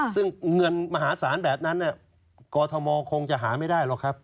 ซึ่งเงินมหาศาลแบบนั้นกรทมคงจะหาไม่ได้หรอกครับ